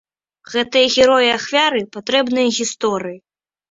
Гэтыя героі і ахвяры патрэбныя гісторыі.